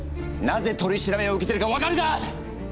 なぜ取り調べを受けているか分かるか？